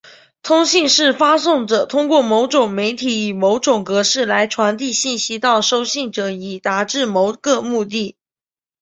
通信是发送者通过某种媒体以某种格式来传递信息到收信者以达致某个目的。